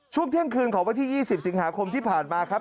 ช่วงเที่ยงคืนของวันที่๒๐สิงหาคมที่ผ่านมาครับ